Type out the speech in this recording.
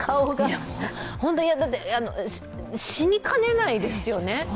もうホントに死にかねないですよね？！